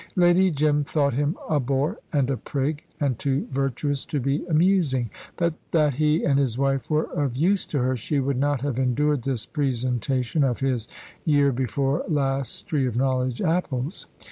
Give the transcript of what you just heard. Lady Jim thought him a bore and a prig, and too virtuous to be amusing. But that he and his wife were of use to her, she would not have endured this presentation of his year before last's Tree of Knowledge apples.